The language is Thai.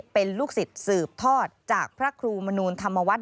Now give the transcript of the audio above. เป็นลูกศิษย์สืบทอดจากพระครูมนูลธรรมวัฒน